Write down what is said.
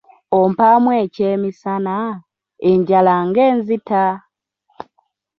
Ompaamu eky'emisana, enjala ng'enzita?